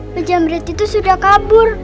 pejam berat itu sudah kabur